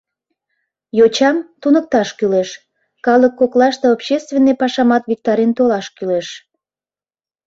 Йочам туныкташ кӱлеш, калык коклаште общественный пашамат виктарен толаш кӱлеш.